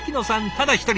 ただ一人。